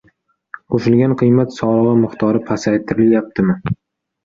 Qo‘shilgan qiymat solig‘i miqdori pasaytirilyaptimi?